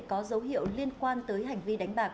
có dấu hiệu liên quan tới hành vi đánh bạc